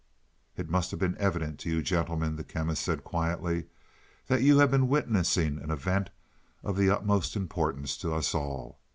"It must have been evident to you, gentlemen," the Chemist said quietly, "that you have been witnessing an event of the utmost importance to us all.